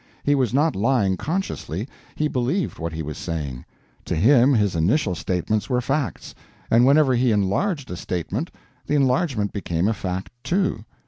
He was not lying consciously; he believed what he was saying. To him, his initial statements were facts, and whenever he enlarged a statement, the enlargement became a fact too.